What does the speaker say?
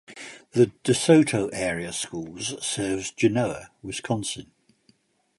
The De Soto Area Schools serves Genoa, Wisconsin.